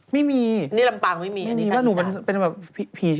ไม่มีนี่ลำปางไม่มี